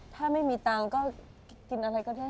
ถ้าไม่มีตังค์ก็กินอะไรก็ได้